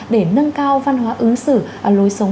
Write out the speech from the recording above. để nâng cao văn hóa ứng xử lối sống